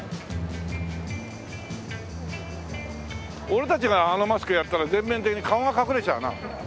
俺たちがあのマスクやったら全面的に顔が隠れちゃうな。